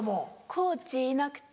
コーチいなくて。